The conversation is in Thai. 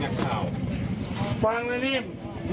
พ่อพ่อพ่อทำไมพูดแบบนี้ล่ะพ่อ